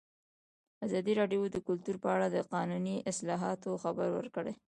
ازادي راډیو د کلتور په اړه د قانوني اصلاحاتو خبر ورکړی.